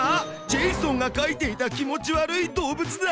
ジェイソンが描いていた気持ち悪い動物だ。